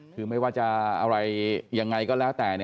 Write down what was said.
คือไม่ว่าจะอะไรยังไงก็แล้วแต่